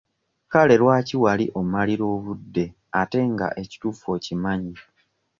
Kale lwaki wali ommalira obudde ate nga ekituufu okimanyi?